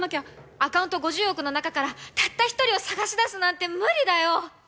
アカウント５０億の中からたった１人を探し出すなんて無理だよ。